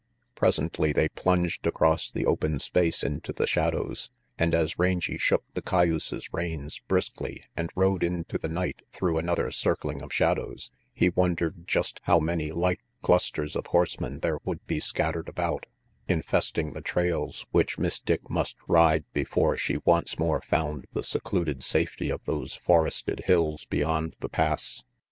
Presently they plunged across the open space into the shadows, and as Rangy shook the cayuse's reins briskly and rode into the night through another circling of shadows, he wondered just how many like clusters of horsemen there would be scattered about, infesting the trails which Miss Dick must ride before she once more found the secluded safety of those forested hills beyond the Pass.